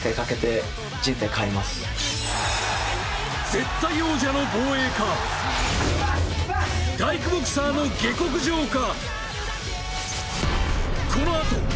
絶対王者の防衛か大工ボクサーの下克上か。